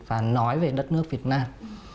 và nói về đất nước việt nam